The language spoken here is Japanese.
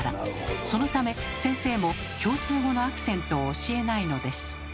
そのため先生も共通語のアクセントを教えないのです。